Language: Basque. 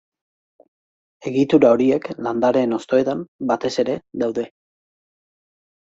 Egitura horiek landareen hostoetan, batez ere, daude.